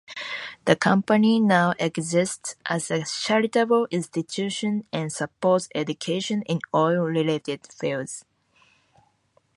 The company now exists as a charitable institution and supports education in oil-related fields.